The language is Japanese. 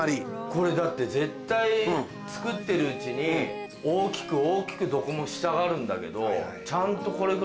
これだって絶対つくってるうちに大きく大きくどこもしたがるんだけど。